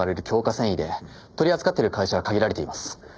繊維で取り扱ってる会社は限られています。